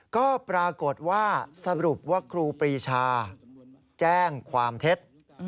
ก็ปรากฏว่าสรุปว่าครูปรีชาแจ้งความเท็จ